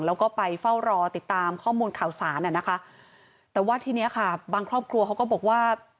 แล้วก็ไปเฝ้ารอติดตามข้อมูลข่าวสารอ่ะนะคะแต่ว่าทีเนี้ยค่ะบางครอบครัวเขาก็บอกว่า